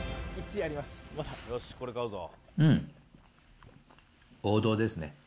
うん、王道ですね。